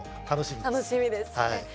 楽しみですね。